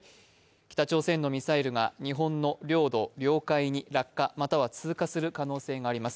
北朝鮮のミサイルが日本の領土・領海に落下または通過する可能性があります。